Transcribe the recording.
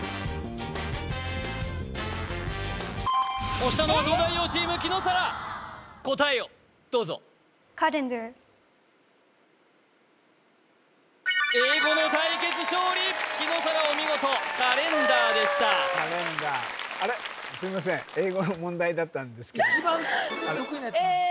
押したのは東大王チーム紀野紗良答えをどうぞ英語の対決勝利紀野紗良お見事ｃａｌｅｎｄａｒでしたカレンダーあれっすいません英語の問題だったんですけどえ